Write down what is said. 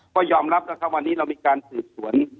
ก็ยอมรับนะครับวันนี้เรามีการสืบสวน